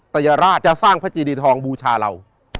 ตยราชจะสร้างพระจีดีทองบูชาเรา